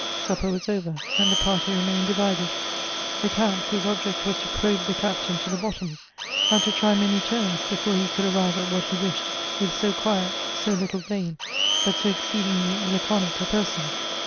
Supper was over, and the party remained divided. The Count, whose object was to probe the Captain to the bottom, had to try many turns before he could ar rive at what he wished with so quiet, so little vain, but so exceedingly laconic a person.